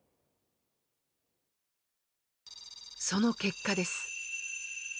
その結果です。